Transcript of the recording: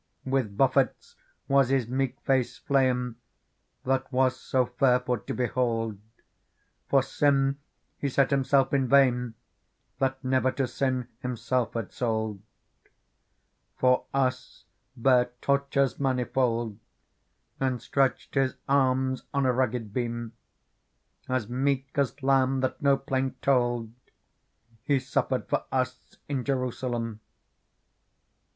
With buffets was His meek face flayen. That was so fair for to behold ; For sin He set Himself in vain. That never to sin Himself had sold. For us bare tortures manifold. And stretched His arms on a rugged beam ; As meek as lamb that no plaint told. He suffered for us in Jerusalem.